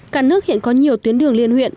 cả nước hiện có nhiều tuyến đường liên huyện